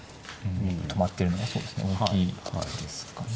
止まってるの大きいですかね。